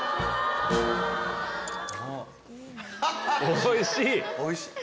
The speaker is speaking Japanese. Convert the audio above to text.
おいしい？